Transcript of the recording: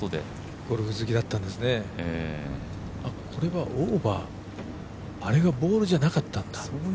これはオーバー、あれがボールじゃなかったんだ。